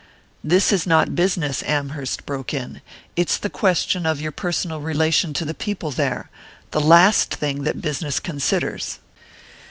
"This is not business," Amherst broke in. "It's the question of your personal relation to the people there the last thing that business considers."